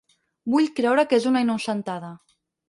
Vull creure que és una innocentada.